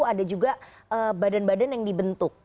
ada juga badan badan yang dibentuk